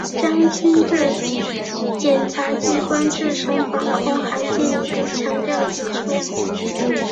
张军对检察机关自身防控还进一步强调指出